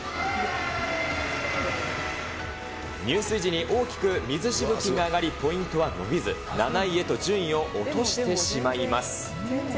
入水時に大きく水しぶきが上がり、ポイントは伸びず、７位へと順位を落としてしまいます。